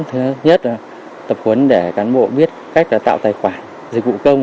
thứ nhất là tập huấn để cán bộ biết cách tạo tài khoản dịch vụ công